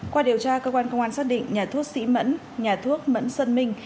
qua điều tra cơ quan công an xác định nhà thuốc sĩ mẫn nhà thuốc mẫn sơn minh